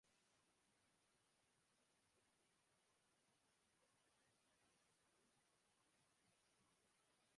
Posteriormente, retornó al lugar del accidente para recuperar partes de la aeronave.